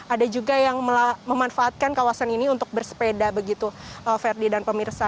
ada juga yang memanfaatkan kawasan ini untuk bersepeda begitu verdi dan pemirsa